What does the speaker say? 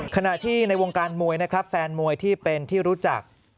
ขณะที่ในวงการมวยนะครับแฟนมวยที่เป็นที่รู้จัก